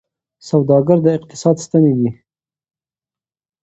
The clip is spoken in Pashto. سوداګر د اقتصاد ستني دي.